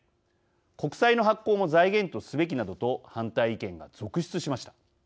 国債の発行も財源とすべきなどと反対意見が続出しました。